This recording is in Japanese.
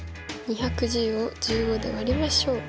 ２１０を１５で割りましょう。